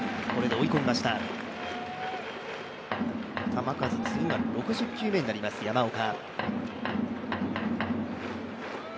球数、次が６０球目になります山岡。